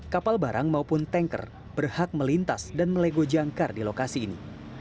kapal barang maupun tanker berhak melintas dan melego jangkar di lokasi ini